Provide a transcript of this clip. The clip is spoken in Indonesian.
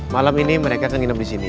malam ini mereka akan nginep disini